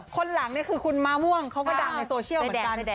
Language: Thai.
คนหลังนี่คือคุณมะม่วงเขาก็ดังในโซเชียลเหมือนกัน